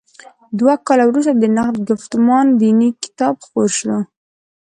دوه کاله وروسته د نقد ګفتمان دیني کتاب خپور شو.